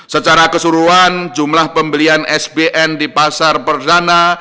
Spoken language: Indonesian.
secara keseluruhan jumlah pembelian sbn di pasar perdana